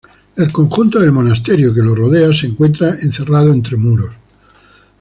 El conjunto del monasterio que la rodea se encuentra encerrado entre muros.